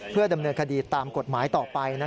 เพื่อดำเนินคดีตามกฎหมายต่อไป